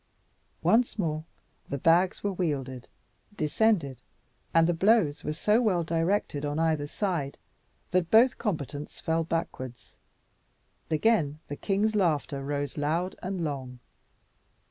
Once more the bags were wielded, descended, and the blows were so well directed on either side, that both combatants fell backwards. Again the king's laughter rose loud and long.